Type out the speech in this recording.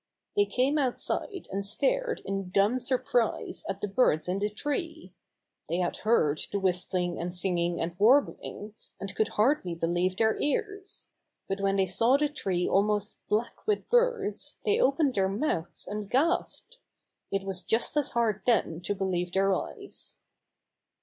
They came outside and stared in dumb sur prise at the birds in the tree. They had heard the whistling and singing and warbling, and could hardly believe their ears ; but when they saw the tree almost black with birds they 70 Bobby Gray Squirrel's Adventures opened their mouths and gasped. It was just as hard then to believe their eyes.